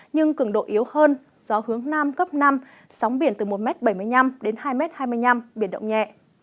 nhưng cường độ yếu hơn gió hướng nam cấp năm sóng biển từ một bảy mươi năm m đến hai hai mươi năm m biển động nhẹ